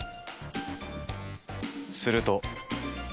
すると。